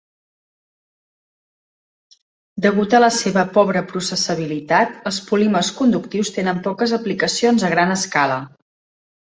Degut a la seva pobre processabilitat, els polímers conductius tenen poques aplicacions a gran escala.